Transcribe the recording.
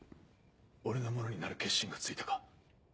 俺のものになる決心がついたか。